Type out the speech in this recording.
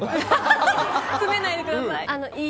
詰めないでください！